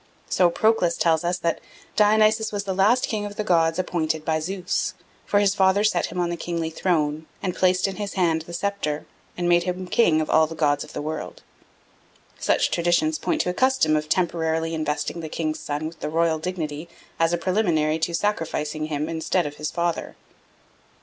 So Proclus tells us that "Dionysus was the last king of the gods appointed by Zeus. For his father set him on the kingly throne, and placed in his hand the sceptre, and made him king of all the gods of the world." Such traditions point to a custom of temporarily investing the king's son with the royal dignity as a preliminary to sacrificing him instead of his father.